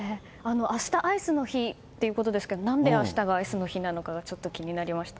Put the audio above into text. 明日、アイスの日ということですけど何で明日がアイスの日なのかがちょっと気になりました。